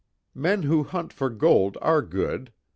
"Men who hunt for gold are good.